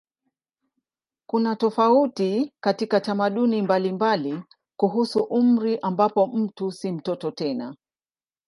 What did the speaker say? Kuna tofauti katika tamaduni mbalimbali kuhusu umri ambapo mtu si mtoto tena.